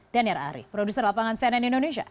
daniel ari produser lapangan cnn indonesia